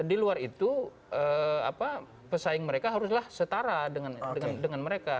di luar itu pesaing mereka haruslah setara dengan mereka